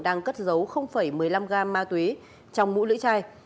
đang cất giấu một mươi năm gam ma túy trong mũ lưỡi chai